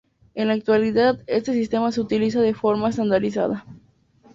En la actualidad este sistema se utiliza de forma estandarizada.